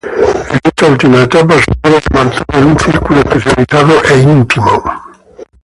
En esta última etapa su obra se mantuvo en un círculo especializado e íntimo.